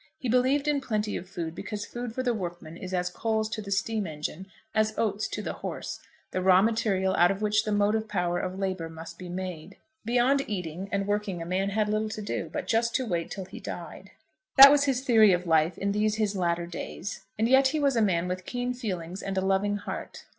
He believed in plenty of food, because food for the workman is as coals to the steam engine, as oats to the horse, the raw material out of which the motive power of labour must be made. Beyond eating and working a man had little to do, but just to wait till he died. That was his theory of life in these his latter days; and yet he was a man with keen feelings and a loving heart.